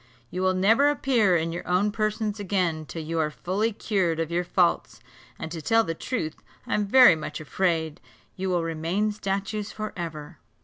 You will never appear in your own persons again till you are fully cured of your faults; and to tell the truth, I am very much afraid you will remain statues for ever."